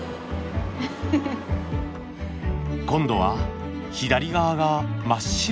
今度は左側が真っ白。